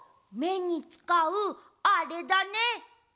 めにつかうあれだね！